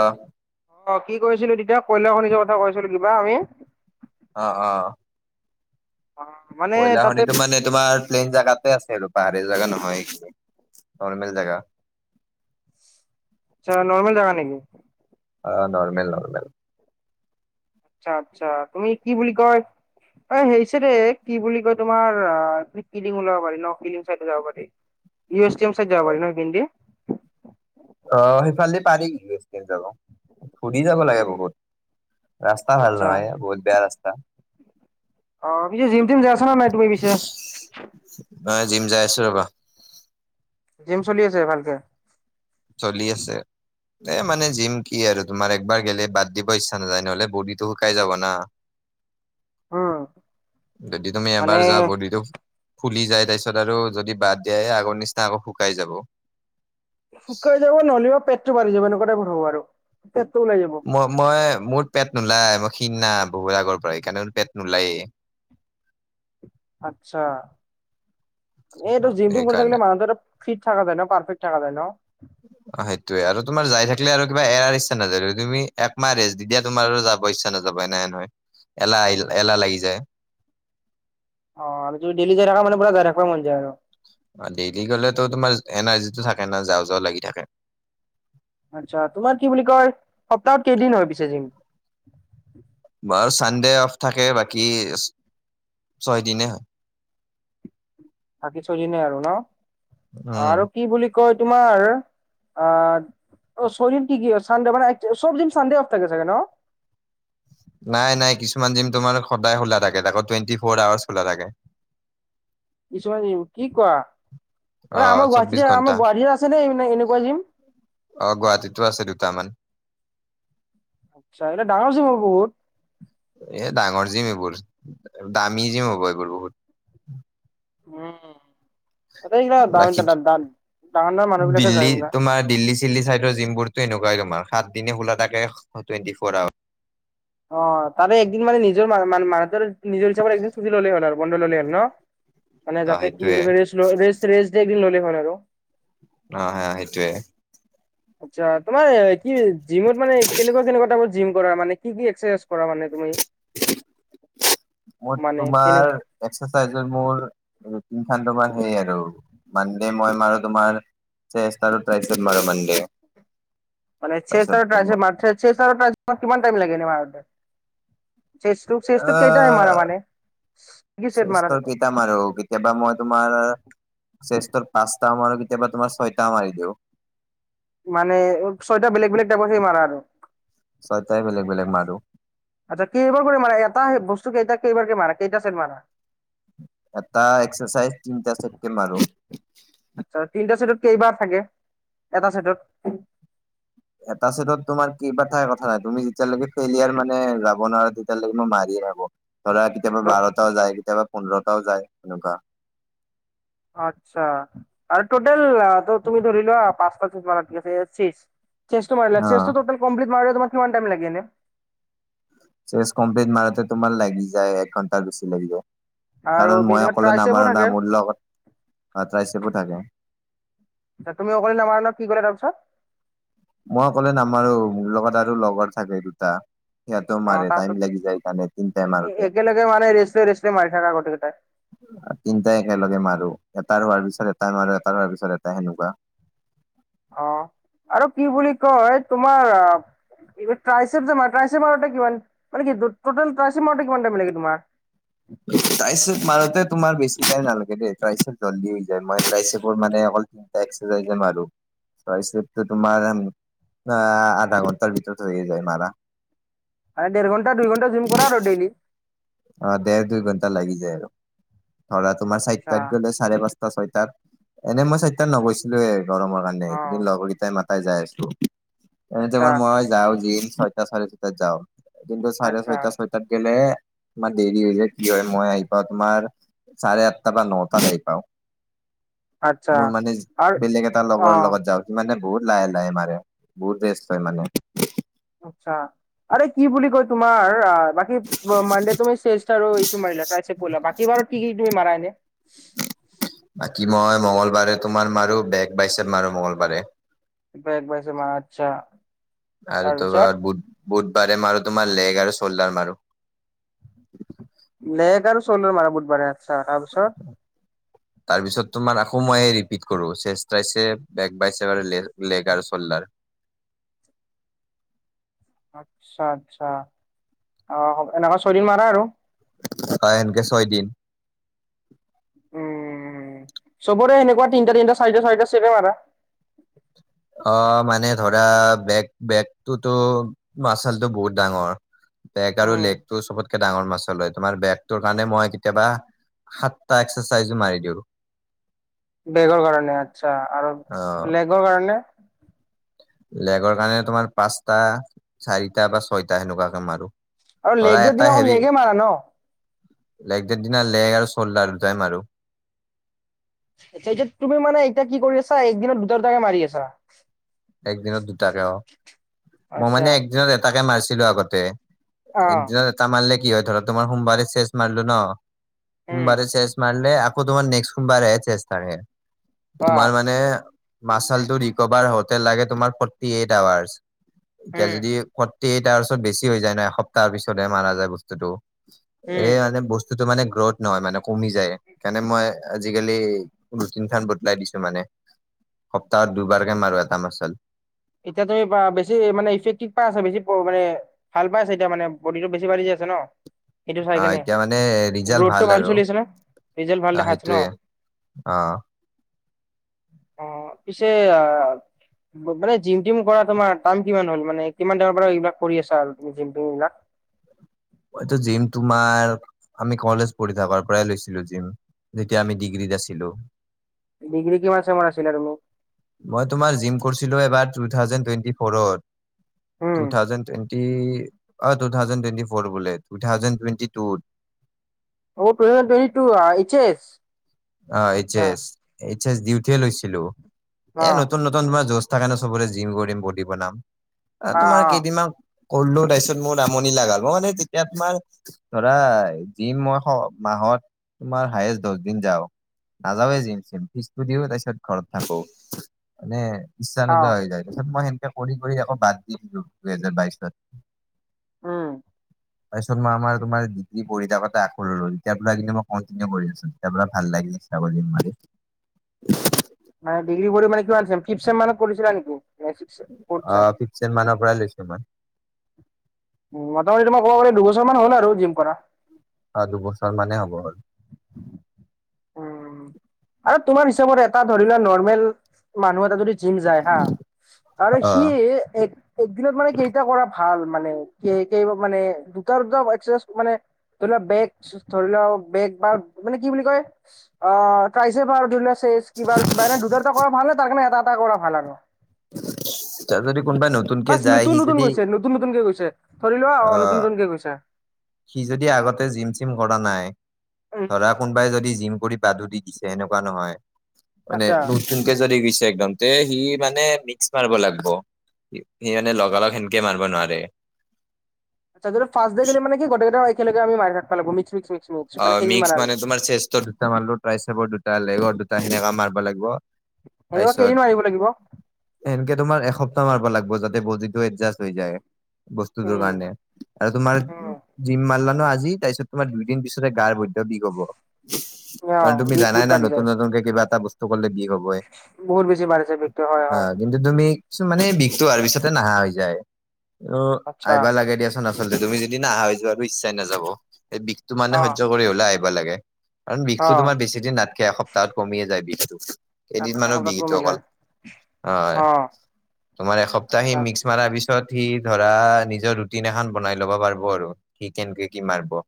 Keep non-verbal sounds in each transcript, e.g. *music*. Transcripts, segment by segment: আহ অ', কৈ আছিলো তেতিয়া কয়লাখনিৰ কথা কৈ আছিলো কিবা আমি অ', - অ', অ মানে তাতে কয়লাখনিটো মানে তোমাৰ প্লেইন জেগাতে আছে আৰু পাহাৰীয়া জেগা নহয় নৰ্মেল জেগা *inaudible* আচ্ছা নৰ্মেল জেগা নেকি? অ', নৰ্মেল-নৰ্মেল। আচ্ছা আচ্ছা তুমি কি বুলি কয় অ', হেৰি চাইডে কি বুলি কয় তোমাৰ কিলিং ওলাব পাৰি ন কিলিং চাইড যাব পাৰি। ইউ এছ টিয়াম চাইড যাব পাৰি ন সেইখিনি দি? অ', সেইফালে দি পাৰি ইউ এছ টিয়াম যাব ঘূৰি যাব লাগে বহুত। ৰাস্তা ভাল আচ্ছা নহয় এহ বহুত বেয়া ৰাস্তা। অ', পিছে জিম টিম যাই আছা না নাই তুমি পিছে? নাই জিম যাই আছো ৰবা। জিম চলি আছে ভালকে? চলি আছে এহ মানে জিম কি আৰু তোমাৰ একবাৰ গেলে বাদ দিব ইচ্ছা নাযায় নহ'লে বডীতো শুকাই যাব না উম যদি তুমি এবাৰ মানে যোৱা বিডিটোক ফুলি যায় তাৰপিছত আৰু যদি বাদ দিয়াই আগৰ নিচিনা আকৌ শুকাই যাব। শুকাই যাব নহলেবা পেটটো বাঢ়ি যাব এনেকুৱা টাইপৰ হব আৰু। পেটটো ওলাই যাব মই মই, মোৰ পেট নোলাই। খিন না বহুত আগৰ পৰাই, সেইকাৰণে পেট নোলায়েই। আতছা, এইটো জিম টীম কৰি সেইকাৰণে থাকিলে মানুহ *unintelligible* ফিট থাকা যাই ন, পাৰফেক থাকা যায় ন? অ', সেইটোয়ে আৰু তোমাৰ যাই থাকিলে আৰু কিবা এৰাৰ ইচ্ছা নাযায়, তুমি একমাহ ৰেষ্ট দি দিয়া তোমাৰ পস্যা নাযাব নাই নহয়, এলাহ আহ, এলাহ লাগি যায়। অ', আৰু ডেলি যাই থকা মানুহবোৰে *unintelligible* ডেইলি গলেতো তোমাৰ এনাৰ্জিটো থাকে না, যাও যাও লাগি থাকে। আচ্ছা, তোমাৰ কি বুলি কয়, সপ্তাহত কেইদিন হয় পিছে জিম? আৰু চানডে অফ থাকে, বাকী ছয় দিনে হয়। বাকী ছয় দিনে আৰু ন, উম আৰু কি বুলি কয় তোমাৰ আহ, ছদিন কি কি, চানডে মানে, সবদিন চানডে অফ থাকে চাকে ন? *inaudible* নাই নাই, কিছুমান জিম তোমাৰ সদায় খোলা থাকে, তাকো টুৱেণ্টি ফৰ আৱাৰছ খোলা থাকে। *inaudible* কিছুমান জিম, কি কোৱা? অ', আমাৰ চৌবিশ গুৱাহাটিতে, ঘন্টা আমাৰ গুৱাহাটিতে আছে নে এনেকুৱা জিম? অ', গুৱাহাটীতো আছে দুটামান। আচ্ছা, এটা ডাঙৰ জিম হব বহুত। এ, ডাঙৰ জিম এইবোৰ, দামী জিম হ'ব এইবোৰ বহুত। উম। *unintelligible* বাকী ডাঙৰ ডাঙৰ মানুহ বিলাকে দিল্লী যায় বিলা। তোমাৰ দিল্লী চিল্লী ছাইডৰ জিমবোৰটো এনেকুৱাই তোমাৰ, সাতদিনে খোলা থাকে টুৱেণ্টি ফ'ৰ আৱাৰ। অ', তাৰে একদিন মানে নিজৰ মানুহতৰ নিজৰ হিচাপত একদিন চুটি ললেই হ'ল আৰু বন্ধ ললে হ'ল ন। মানে অ যাতে কি সেইটোয়ে বুলি কয়, ৰেষ্ট, ৰেষ্ট ডে একদিন ল'লে হ আৰু অ', হা, সেইটোৱে। আচ্ছা, তোমাৰ কি জিমত মানে কেনেকুৱা কেনেকুৱা টাইপত জিম কৰা মানে, কি কি এক্সাৰচাইজ কৰা মানে তুমি? মোৰ মানে কেনে তোমাৰ এক্সাৰচাইজৰ মোৰ *unintelligible* তোমাৰ সেই আৰু মানডে মই মাৰো তোমাৰ চেষ্ট আৰু ট্ৰাইচেপ মাৰো মানডে। মানে চেষ্ট তাৰপিছত আৰু তোমাৰ ট্ৰাইচেপ মাৰা, চেষ্ট আৰু ট্ৰাইচেপ কিমান টাইম লাগে এনে মাৰোতে? চেষ্টটো চেষ্টটোত কেইটা মাৰা অ'। মানে? কি চেট মাৰা চেষ্ঠৰ কিতা মাৰো, কেতিয়াবা মই তোমাৰ চেষ্ঠৰ পাঁচ টা মাৰু আৰু কেতিয়াবা তোমাৰ ছয়টাও মাৰি দিওঁ। মানে ছয়টা বেলেগ বেলেগ টাইপৰ সেই মাৰা আৰু ছয়টাই বেলেগ বেলেগ মাৰো আচ্ছা, কেইবাৰ কৰি মাৰা, এটা বস্তু কেইটা কেইবাৰকে মাৰা, কেইটা চেট মাৰা? এটা এক্সাৰচাইজ তিনটা চেটকে মাৰো আচ্ছা, তিনটা চেইটত কেইবাৰ থাকে, এটা চাইটত এটা সেটত তোমাৰ কেইবাৰ থাকে কথা নাই তুমি তেতিয়ালৈকে ফেলিয়াৰ মানে যাব নোৱাৰা, তেতিয়ালৈকে মই মাৰিয়ে থাকো। ধৰা কেতিয়াবা বাৰটাও যায়, কেতিয়াবা পোন্ধৰটাও যায় এনেকুৱা। আচ্ছা আৰু টোটেলত তুমি ধৰিলোৱা পাঁচ পাঁচ *unintelligible* চেছটো মাৰিলা, অ চেছটো টোটেল কমপ্লিট মাৰিলে কিমান টাইম লাগে এনে চেছ কমপ্লিট মাৰোতে তোমাৰ লাগি যায়, এক ঘণ্টাৰ বেছি লাগি যায়। আৰু কাৰণ মই অকলে ট্ৰাইচেপো নামাৰো না, থাকে মোৰ লগত ট্ৰাইচেপো থাকে। ত তুমি অকলি নামাৰা ন, কি ক'লা তাৰপিছত? মই অকলে নামাৰো, মোৰ লগত আৰু লগৰ থাকে দুটা। সেয়াতো অ মাৰে, টাইম তাহাঁতক লাগি যায় হেকাৰণে তিনিটাই মাৰোতে। একেলগে মানে ৰেচলে ৰেচলে মাৰি থাকা গোটেই কেইটাই তিনিটাই একেলগে মাৰো এটাৰ হোৱাৰ পিছত এটাই মৰো এটাৰ হোৱাৰ পিছত এটাই সেনেকুৱা অ আৰু কি বুলি কয় তোমাৰ ট্ৰাইচেপ যে মাৰা ট্ৰাইচেপ মাৰোতে কিমান মানে কি টু টোটেল ট্ৰাইচেপ মাৰোতে কিমান টাইম লাগে তোমাৰ ট্ৰাইছেপ মাৰতে তোমাৰ বেছি টাইম নালাগে দেই ট্ৰাইছেপ জল্দি হৈ যায় ট্ৰাইছেপৰ মই তিনিটা এক্সাইজে মাৰো ট্ৰাইছেপটো তোমাৰ আধা ঘণ্টাৰ ভিতৰত হৈয়ে যায় মাৰা দেৰ ঘণ্টা দুই ঘণ্টা জিম কৰা আৰু ডেইলি অ দেৰ দুই ঘণ্টা লাগি যায় আৰু ধৰা তোমাৰ চাৰিটাত গলে আচ্ছা চাৰে পাঁচ ছয়টাত এনে মই ছয়টাত ন গৈছিলোয়ে গৰমৰ কাৰণে অ কিন্তু লগৰকেইটাই মাত তাই যাই আছোঁ এনে ত আচ্ছা মই যাও জিম ছয়টা চাৰে ছয়টাত যাও এদিনটো চাৰে আচ্ছা ছয়টা ছয়টাত গেলে ইমান দেৰি হৈ যায় কি হয় মই আহি পাওঁ তোমাৰ চাৰে আঠটা বা নটাত আহি পাওঁ আচ্ছা মোৰ মানে আৰু বেলেগ এটা লগৰ অ লগত যাওঁ সি মানে বহুত লাহে লাহে মাৰে বহুত ৰেষ্ট লয় মানে আচ্ছা আৰে কি বুলি কয় তোমাৰ আ বাকী মানডেত তুমি চেল ষ্টাৰ এইটো মাৰিলা ট্ৰাই চেপ কৰিলা বাকি বাৰত কি কি তুমি মাৰা এনে বাকী মঙ্গলবাৰে তোমাৰ মাৰো বেগ বাইছেপ মাৰো মঙগলবাৰে বেক বেক বাইচাপ মৰা আচ্ছা আৰু তাৰপিছত তোমাৰ বুধ বুধবাৰে মাৰো তোমাৰ লেগ আৰু চল্ডাৰ মাৰো লেগ আৰু চ'ল্ডাৰ মাৰা বুধবাৰে আচ্ছা তাৰপিছত তাৰপিছত তোমাৰ কোমায়ে ৰিপিট কৰোঁ চেষ্ট টাইছে, বেক বাইছেভ আৰু লেগ আৰু চল্ডাৰ। *inaudible* আচ্ছা-আচ্ছা অ, এনেকুৱা চৰি মাৰা আৰু? অ, এনকে ছয় দিন। উমচবৰে সেনেকুৱা তিনটা তিনটা- চাৰিটা চাৰিটা চেপে মাৰা? অ, মানে ধৰা বেক -বেকটোতো আচলতেওঁ বহুত ডাঙৰ বেগ আৰু উম লেগটো চবতকে ডাঙৰ মাছল হয় তোমাৰ বেগটোৰ কাৰণে মই কেতিয়াবা সাতটা এক্সাৰচাইজো মাৰি দিওঁ। বেগৰ কাৰণে আচ্ছা আৰু অ লেগৰ কাৰণে? লেগৰ কাৰণে তোমাৰ পাঁচটা, চাৰিটা বা ছয়টা সেনেকুৱাকে মাৰো। আৰু ধৰা লেগ দে এটা দিনাখন হেভি লেগে মাৰা ন? লেগ ডে দিনা লেগ আৰু চল্ডাৰ দুটাই মাৰো। আচ্ছা এইটোত তুমি মানে এতিয়া কি কৰি আছা একদিনত দুটা- দুটাকে মাৰি আছা? একদিনত দুটাকে অ, মই মানে আচ্ছা একদিনত এটাকে মাৰছিলো আগতে অ একদিনত এটা মাৰিলে কি হয় ধৰা তোমাৰ সোমবাৰে চেছ মাৰিলো ন' উম সোমবাৰে চেছ মাৰলে আকৌ তোমাৰ নেক্সট সোমবাৰে চেছ থাকে। অ তোমাৰ মানে মাচালটো ৰিকভাৰ হওঁ তে লাগে তোমাৰ ফৰ্টি এইট আৱাৰচ এতিয়া উম, যদি ফট ফৰ্টী এইট আৱাৰ্চত বেছি হৈ যায় ন' এসপ্তাহৰ পিছতহে মাৰা যায় বস্তুটো উম, এই মানে বস্তু বস্তুটো মানে গ্ৰথ নহয় মানে কমি যায় সেইকাৰণে মই আজি আজিকালি ৰুটিন খান বদলাই দিছো মানে সপ্তাহত দুবাৰকে মাৰা। তা মাছাল। এতিয়া তুমি বেছি মানে ইফেক্টিভ পাই আছা বেছি মানে ভাল পাই আছে এতিয়া মানে বডিটো বেছি বাঢি যি আছে ন। এইটো অ চাইকাৰনে এতিয়া মানে ৰিজাল্ট গ্ৰোথটো ভাল আৰু চলি আছে ন ৰিজাল্ট ভাল দেখাছে ন। অঁ। *unintelligible* অ পিছে আহ মানে- জিম -টিম কৰা তোমাৰ টাইম কিমান হ'ল মানে কিমান টাইমৰ পৰা এইবিলাক কৰি আছা আৰু তুমি জিম টীম বিলাক। এইটো জিম তোমাৰ আমি কলেজ পঢ়ি থকাৰ পৰাই লৈছিলো জিম। যেতিয়া আমি ডিগ্ৰীত আছিলো। ডিগ্ৰী কিমান চেমৰ আছিলা তুমি? *unintelligible* মই তোমাৰ জিম কৰিছিলো এবাৰ টো থাওচেণ্ড টুৱেন্টি ফৌৰত উম, টো থাউজেণ্ড টুৱেন্টি অ টো থাউজেণ্ড টুৱেন্তি ফৌৰ বোলে টু থাউজেণ্ড টুৱেণ্টি টুত। অ', *unintelligible* এইচ এছ। অ', এইচ আচ্ছা এছ দিওতেহে লৈছিলো অ এ নতুন নতুন তোমাৰ জচ *unintelligible* কাৰণে চবৰে জিম কৰিম বডি বনাম অ তোমাৰ কেইদিনমান ক'লো তাৰপিছত মোৰ আমনি লাগাল মই মানে তেতিয়া তোমাৰ ধৰা জিম মই অ', তোমাৰ হায়েষ্ট দচ দিন যাও। নাযাৱে জিম চিম ফিজটো দিও তাৰিত ঘৰত থাকো এনে। ইচ্ছা অ অ নোযোৱা হৈ যায় তাৰপিছত মই সেনেকে কৰি- কৰি আকৌ বাদ দি দিছো দুহেজাৰ বাইচত। উম তাৰপিছত মই আমাৰ তোমাৰ ই পঢ়ি থাকোঁতে *unintelligible* কনটিনিউ কৰি আছো *unintelligible* *unintelligible* *unintelligible* মানে কিমান ছেম ফিফট ছেম মানত কৰিছিলা নেকি। নে ছিক্স ফ'ৰ্থ চেম? অ', ফিফ্টছেম মানৰ পৰাই লৈছিলোঁ মই। উম, মোটামুটি তোমাৰ ক'ব গ'লে দুবছৰ মান হ'ল আৰু জিম কৰা। অ' দুবছৰ মানেই হ'ব হ'ল। উম আৰু তোমাৰ হিচাপত এটা ধৰি লোৱা নৰ্মেল মানুহে যদি জিম যায় হা আৰু অ সি এ এক একদিনত মানে কেইটা কৰা ভাল। মানে সেই কেই মানে দুটা- দুটা একচাইজ মানে ধৰি লোৱা বেগ ধৰি লোৱা বেগ বা মানে কি বুলি কয় অ', তাৰপিছত আৰু ধৰিলোৱা *unintelligible* কিবা দুটা- দুটা কৰা ভাল ন তাৰ কাৰণে এটা-এটা কৰা ভাল আৰু। *inaudible* তাত যদি কোনোবাই নতুনকে বাচ যায় নতুন সি নতুন যদি গৈছে নতুন নতুনকে গৈছে ধৰি লোৱা আ অ নতুন নতুনকে গৈছে সি যদি আগতে জিম চিম কৰা নাই উম ধৰা কোনোবাই যদি জিম কৰি বাদু দি দিছে এনেকুৱা নহয় মানে আচ্ছা নতুনকে যদি গেইছে একদম তে সি মানে মিক্স মাৰব লাগিব। সি মানে লগালগ সেনকে মাৰিব নোৱাৰে। তাতে টো ফাৰ্ষ্ট ডে যদি মানে কি গোটেই কেইটা একেলগে আমি মাৰি থাকবা লাগব মিক্স *unintelligible* অ', মিক্স কেইদিনমান আৰু মানে তোমাৰ চেষ্টৰ দুটা মাৰলো, ট্ৰাইচেপৰ দুটা, লেগৰ দুটা সেনেকা মাৰবা লাগিব। এনেকুৱা তাৰপিছত কেইদিন মাৰিব লাগিব? এনকে তোমাৰ এসপ্তাহ মাৰিবা লাগিব যাতে বডি টো এডজাষ্ট হৈ যায় বস্তুটোৰ উম। কাৰণে আৰু তোমাৰ উম, জিম মাৰলা আজি তাৰ পিছত তোমাৰ দুইদিন পিছতে গাৰ বৈদ্য বিষ হ'ব। অ কাৰণ তুমি বিষ জানাই বহুত না বাঢ়ি নতুন যায়, নতুনকে কিবা এটা বচ বিষ হ'বয়ে বহুত বেছি বাঢ়িছে বিষটো হয় হয়। অ' কিন্তু তুমি কিছু মানে বিষটো আহাৰ পিছত নাহা হৈ যায় ত' আচ্ছা, আইবা লাগে দিয়াচোন আ তুমি যদি নাহা হৈ যোৱা আৰু ইচ্ছাই নাযাব সেই বিষটো মানে অ আহিবা লাগে কাৰণ অ বিষটো তোমাৰ বেছি দিন নাথকে এসপ্তাহত কমিয়ে যায় বিষটো। কেইদিনমানৰ এসপ্তাহত বিষ এটো কমি অকল, যায়, হয়। অ তোমাৰ এসপ্তাহ সেই আচ্ছা। মিক্স মাৰা পিছত উঠি ধৰা নিজৰ ৰুটিন এখন বনাই ল'ব পাৰিব আৰু কি কেনেকে কি মাৰব। *inaudible*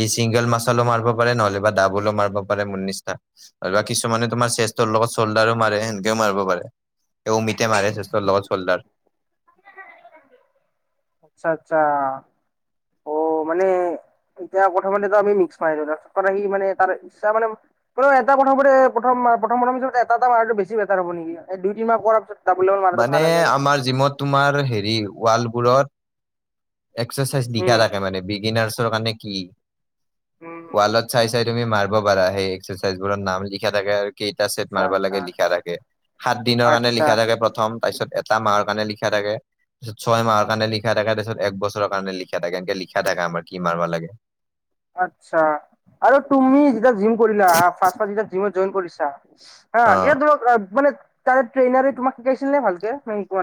ই চিংগল মাছালা মাৰিব পাৰে নহ'লে বা ডাবলো মাৰিব পাৰে মোৰ নিচিনা কিছুমানে তোমাৰ চেষ্টৰ লগত চল্ডাৰো মাৰে সেনেকেও মাৰিব পাৰে। ত' অমিতে মাৰে ছেষ্টৰ লগত চলডাৰ। আচ্ছা- আচ্ছা অ', মানে এতিয়া প্ৰথমতেটো আমি মিক্স মাৰিলো তাৰপিছত আহি মানে তাৰ ইচ্ছা মানে এটা কথামানে প্ৰথম প্ৰথমৰ পিছ এটা মাৰাটো বেছি বেটাৰ হ'ব নেকি দুই তিনমাহ কৰাৰ পিছ মানে আমাৰ জিমত তোমাৰ হেৰি ৱালবোৰত এক্সাৰচাইজ দীঘা উম, থাকে মানে বিগিনাৰছৰ কাৰণে কি। উম, উম ৱালত চাই, চাই তুমি মাৰিব পাৰা সেই এক্সাৰচাইজ বোৰৰ নাম লিখা থাকে আৰু। কেইটা চেট আচ্ছা মাৰিব আচ্ছা। লাগে লিখা থাকে সাত দিনৰ কাৰণে আচ্ছা লিখা থাকে প্ৰথম তাৰপিছত এটা মাহৰ কাৰণে লিখা থাকে তাৰিছ ছয় মাহৰ কাৰে লিখ থে তাৰিছত *inaudible* এক বছৰৰ কাৰণে লিখা থাকে, এনকে লিখা থাকে আমাৰ কি মাৰবা লাগে। আচ্ছা আৰু তুমি কেতিয়া জিম কৰিলা, জিমত জইন কৰিছা *inaudible* হা অ এ ধৰ মানে *inaudible* তাৰে ট্ৰেইনাৰে তোমাক শিকাইছিল নে ভালকে মক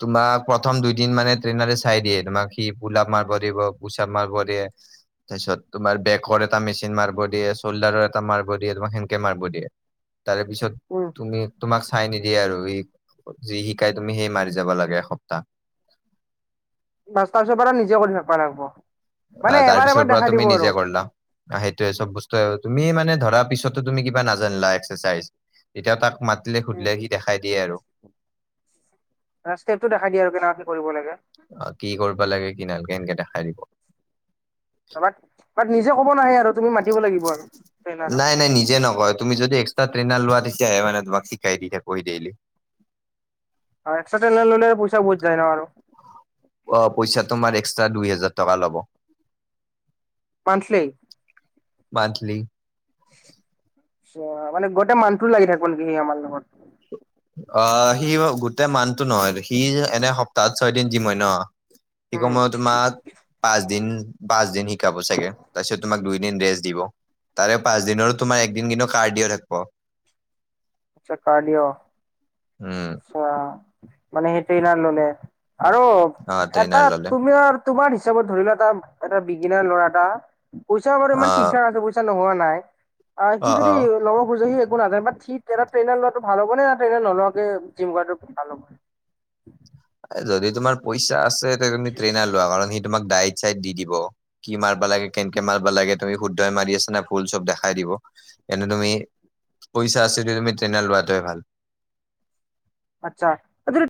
তোমাক প্ৰথম দুইদিন মানে ট্ৰেইনতে চাই দিয়ে তোমাক সি পোলাপ মাৰিব দিব পোচা মাৰিব দিব। তাৰ পিছত তোমাৰ বেকৰ এটা মেচিন মাৰিব দিয়ে, চ'ল্ডাৰৰ এটা মাৰিব দিয়ে, তোমাক সেনকে মাৰিব দিয়ে। তাৰে পিছত উম তুমি তোমাক চাই নিদিয়ে আৰু যি শিকাই তুমি সেই মাৰি যাব লাগে এসপ্তাহ। বা তাৰপিছৰ পৰা নিজে কৰি থাকিবা লাগিব। অ', তাৰ পিছৰ পৰা তুমি নিজে কৰলা সেইটোৱে চব বস্তু তুমি মানে ধ কৰাৰ পিছতো তুমি কিবা নাজানিলা এক্সাৰচাইজ, তেতিয়া তাক মাতিলে সুধিলে সি দেখাই দিয়ে আৰু। ষ্টেপটো দেখাই দিয়ে আৰু কেনেকে কৰিব লাগে। দিনালকে এনকে দেখাই দিব। তাত', তাত', নিজে কব নাহে আৰু। তুমি মাতিব লাগিব আৰু ট্ৰেইনাৰক নাই নাই, নিজে নকয়। তুমি যদি, এক্সট্ৰা ট্ৰেইনাৰ লোৱা তেতিয়াহে মানে তোমাক শিকাই *unintelligible* ডেইলী। এক্সট্ৰা ট্ৰেইনাৰ ললে পইচা বহুত যায় ন আৰু। অহ' পইচা তোমাৰ এক্সট্ৰা দুই হাজাৰ টকা ল'ব। মন্থলি। মান্থলি। অ' মানে গোটেই মান্থটো লাগি থাকিব নেকি সি আমাৰ লগত। অ' সি গোটেই মান্থটো নহয়, সি এনে সপ্তাহত ছয়দিন জিম হয় ন। সি উম কমেও তোমাৰ পাঁচদিন-পাঁচ দিন সি শিকাব চাগে, তাৰপিছত তোমাক দুইদিন ৰেষ্ট দিব। তাৰে পাঁচদিনৰো তোমাৰ একদিন কিন্তু কাৰ্ডিঅ থাকিব। আচ্ছা কাৰ্ডিঅ। উম আচ্ছা মানে সেই ট্ৰেইনাৰ ললে। আৰু অ এটা ট্ৰেইনাৰ ললে তুমি আৰু তোমাৰ হিচাপত ধৰি লোৱা এটা এটা বিগিনাৰ ল'ৰা এটা। *unintelligible* অ আছে পইচা নোহোৱা নাই আহ সি অ যদি অ ল'ব খোজে সি ট্ৰেইনাৰ লোৱাটো ভাল হব নে? ট্ৰেইনাৰ নোলোৱা জিম গাৰ্ডৰ ভাল হব। যদি তোমাৰ পইচা আছে, তেতিয়া তুমি ট্ৰেইনাৰ লোৱা। কাৰণ সি তোমাক ডাইট-চাইড দি দিব কি মাৰবা লাগে কেনেকে মাৰবা লাগে তুমি শুদ্ধই মাৰি আছা না ভুল চব দেখাই দিব। এনে তুমি পইচা আছে যদি তুমি ট্ৰেইনাৰ লোৱাটোৱে ভাল। আচ্ছা যদি